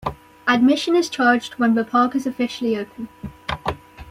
Admission is charged when the park is officially open.